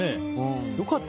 良かった。